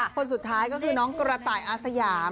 คนสุดท้ายก็คือน้องกระต่ายอาสยาม